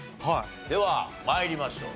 では参りましょう。